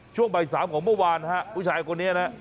ช่วงใบสามของเมื่อวานผู้ชายคนนี้นะฮะ